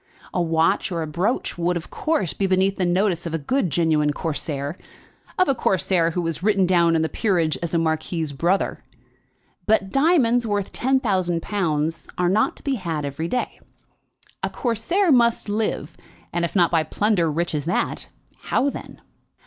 A watch or a brooch would, of course, be beneath the notice of a good genuine Corsair, of a Corsair who was written down in the peerage as a marquis's brother; but diamonds worth ten thousand pounds are not to be had every day. A Corsair must live, and if not by plunder rich as that, how then?